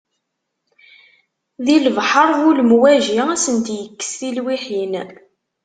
Di lebḥer bu lemwaji, ad asent-yekkes tilwiḥin.